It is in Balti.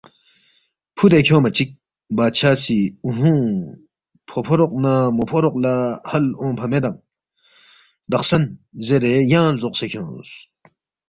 فُودے کھیونگما چِک بادشاہ سی اُوہُوں، فوفوروق نہ موفوروق لہ ہَل اونگفا میدانگ دخسن زیرے ینگ لزوقسے کھیونگس،